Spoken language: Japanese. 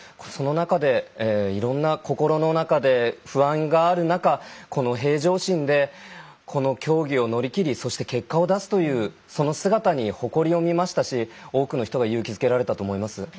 その中で、いろんな心の中で不安がある中この平常心でこの競技を乗り切りそして結果を出すというその姿に誇りを見ましたし多くの人が勇気づけられたと思います。